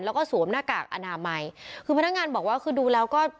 แล้วก็สวมหน้ากากอนามัยคือพนักงานบอกว่าคือดูแล้วก็